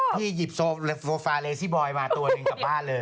ที่หยิบโซฟาเลซี่บอยมาตัวหนึ่งกลับบ้านเลย